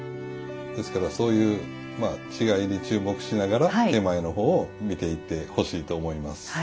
ですからそういう違いに注目しながら点前の方を見ていってほしいと思います。